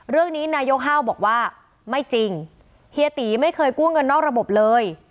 เรื่องนี้นายกห้าวบอกว่าไม่จริงเฮียตีไม่เคยกู้เงินนอกระบบเลย